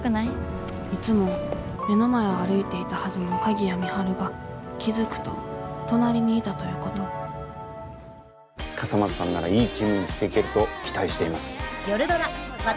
いつも目の前を歩いていたはずの鍵谷美晴が気付くと隣にいたということ笠松さんならいいチームにしていけると期待しています。